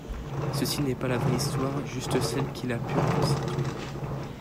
Ceci n’est pas la vraie Histoire, juste celle qu’il a pu reconstituer.